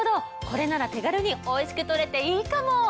これなら手軽においしく取れていいかも！